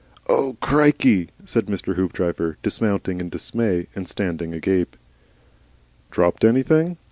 "O Cricky!" said Mr. Hoopdriver, dismounting in dismay and standing agape. "Dropped anything?"